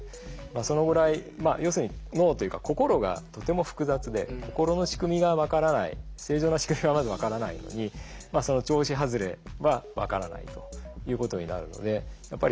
そのぐらい要するに脳というか心がとても複雑で心の仕組みが分からない正常な仕組みがまず分からないのにその調子外れは分からないということになるのでやっぱり心の研究